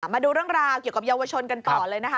มาดูเรื่องราวเกี่ยวกับเยาวชนกันต่อเลยนะคะ